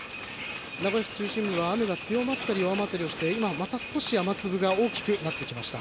名古屋市中心部は、雨が強まったり弱まったりをして、今、また少し雨粒が大きくなってきました。